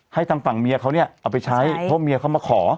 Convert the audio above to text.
ทางฝั่งเมียเขาเนี่ยเอาไปใช้เพราะเมียเขามาขอ